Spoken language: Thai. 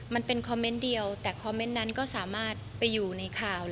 มันเป็นคอมเมนต์เดียวแต่คอมเมนต์นั้นก็สามารถไปอยู่ในข่าว